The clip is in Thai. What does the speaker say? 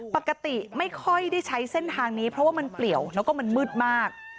ปกติไม่ค่อยได้ใช้เส้นทางนี้เพราะว่ามันเปลี่ยวแล้วก็มันมืดมาก